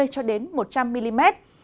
cho đến một trăm linh mm